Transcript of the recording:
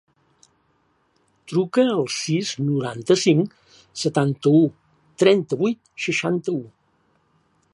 Truca al sis, noranta-cinc, setanta-u, trenta-vuit, seixanta-u.